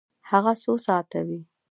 هغه څو ساعته وی؟